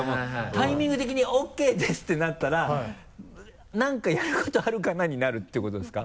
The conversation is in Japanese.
タイミング的に「ＯＫです」ってなったら「何かやることあるかな？」になるってことですか？